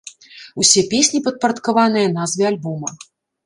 Усе песні падпарадкаваныя назве альбома.